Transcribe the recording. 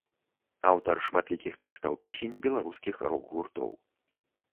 Аўтар шматлікіх тэкстаў песень беларускіх рок-гуртоў.